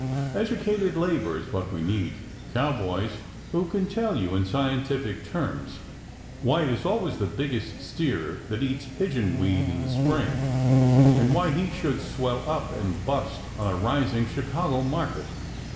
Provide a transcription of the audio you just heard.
Educated labor is what we need. Cowboys who can tell you in scientific terms why it is always the biggest steer that eats "pigeon weed" in the spring and why he should swell up and bust on a rising Chicago market.